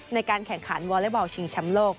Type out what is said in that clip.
ในการแข่งขันวอเล็กบอลชิงแชมป์โลก